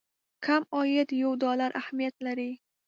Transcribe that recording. کم عاید یو ډالر اهميت لري.